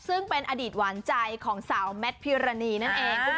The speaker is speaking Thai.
ซึ่งเป็นอดีตหวานใจของสาวแมทพิรณีนั่นเอง